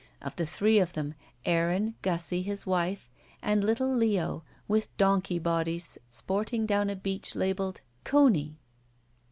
Of the three of them, Aaron, Gussie, his wife, and Uttle Leo, with donkey bodies sporting down a beach labeled "Coney."